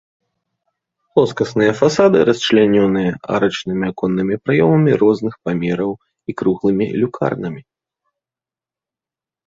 Плоскасныя фасады расчлянёны арачнымі аконнымі праёмамі розных памераў і круглымі люкарнамі.